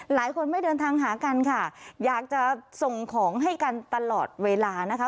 หลายคนไม่เดินทางหากันค่ะอยากจะส่งของให้กันตลอดเวลานะคะ